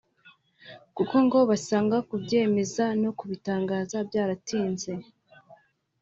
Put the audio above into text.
kuko ngo basanga kubyemeza no kubitangaza byaratinze